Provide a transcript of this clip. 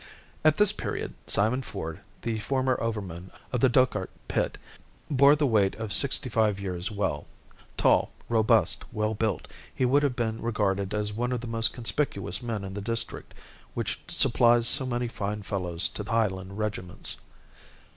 At this period, Simon Ford, the former overman of the Dochart pit, bore the weight of sixty five years well. Tall, robust, well built, he would have been regarded as one of the most conspicuous men in the district which supplies so many fine fellows to the Highland regiments.